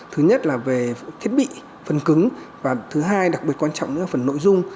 thứ nhất là về thiết bị phần cứng và thứ hai đặc biệt quan trọng nhất là phần nội dung